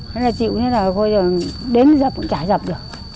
thế là chịu như thế là đến dập cũng chả dập được